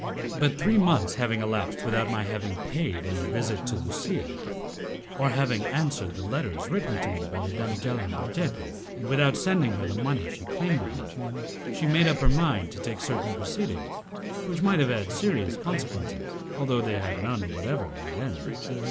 But three months having elapsed without my having paid any visit to Lusia, or having answered the letters written to me by the damigella Marchetti, and without sending her the money she claimed of me, she made up her mind to take certain proceedings which might have had serious consequences, although they had none whatever in the end.